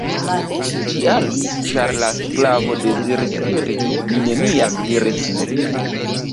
Tial, ĉar la sklavo deziris iri, mi nenial diris ne.